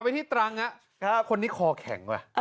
กลับไปที่ตรังคนที่คอแข็งกว่า